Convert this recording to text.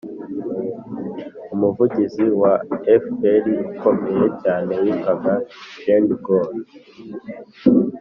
umuvugizi wa fpr ukomeye cyane witwaga jean gol.